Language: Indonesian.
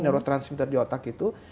neurotransmitter di otak itu